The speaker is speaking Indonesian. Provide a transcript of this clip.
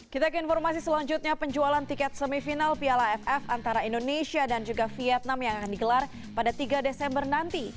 kita ke informasi selanjutnya penjualan tiket semifinal piala aff antara indonesia dan juga vietnam yang akan digelar pada tiga desember nanti